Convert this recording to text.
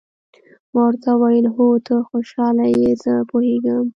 ما ورته وویل: هو، ته خوشاله یې، زه پوهېږم.